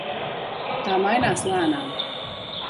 Tā mainās lēnām.